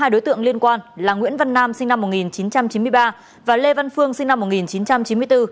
hai đối tượng liên quan là nguyễn văn nam sinh năm một nghìn chín trăm chín mươi ba và lê văn phương sinh năm một nghìn chín trăm chín mươi bốn